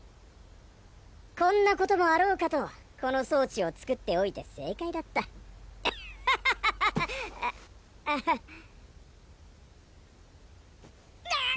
こんなこともあろうかとこの装置を作っておいて正解だったフハハハアアハッダッ！